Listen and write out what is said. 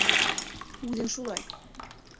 Үҙең шулай.